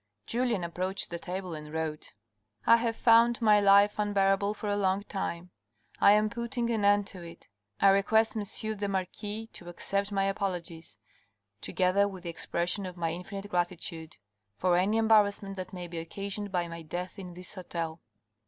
Julien approached the table and wrote :" I have found my life unbearable for a long time ; I am putting an end to it. I request monsieur the marquis to accept my apologies (together with the expression of my infinite gratitude) for any embarrassment that may be occasioned by my death in his hotel."